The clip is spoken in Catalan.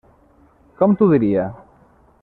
Com t'ho diria?